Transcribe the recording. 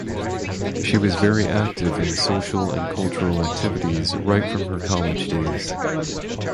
She was very active in social and cultural activities right from her college days.